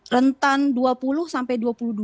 rentan dua puluh sampai dua puluh dua